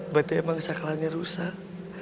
berarti emang sakalannya rusak